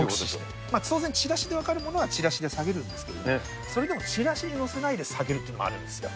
当然チラシで分かるものはチラシで下げるんですけれども、それでもチラシに載せないで下げるというのもありますよ。